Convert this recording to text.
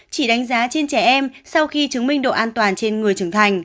chỉ đánh giá trên trẻ em sau khi chứng minh độ an toàn trên người trưởng thành